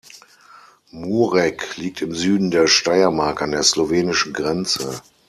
Mureck liegt im Süden der Steiermark an der slowenischen Grenze.